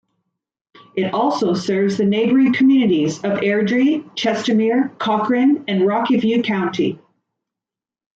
It also serves the neighboring communities of Airdrie, Chestermere, Cochrane and Rocky View County.